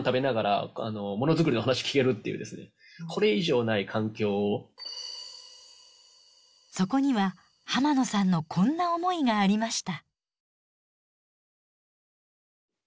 住んでるレベルでそこには浜野さんのこんな思いがありました。